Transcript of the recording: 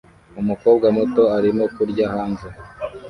Umukobwa muto arimo kurya hanze